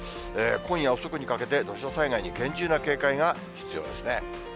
今夜遅くにかけて、土砂災害に厳重な警戒が必要ですね。